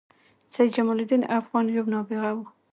سيدجمال الدين افغان یو نابغه وه